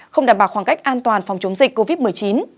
không đảm bảo khoảng cách an toàn phòng chống dịch covid một mươi chín